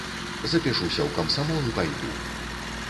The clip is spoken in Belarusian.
Запішуся ў камсамол і пайду.